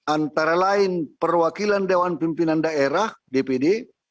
antara lain perwakilan dewan pimpinan daerah dpd